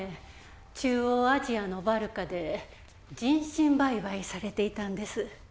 中央アジアのバルカで人身売買されていたんです